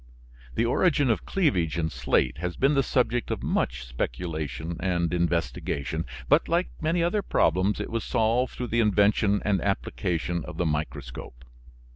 The origin of cleavage in slate has been the subject of much speculation and investigation, but like many other problems it was solved through the invention and application of the microscope.